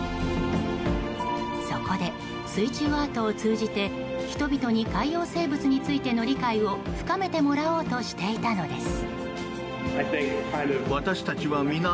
そこで、水中アートを通じて人々に海洋生物についての理解を深めてもらおうとしていたのです。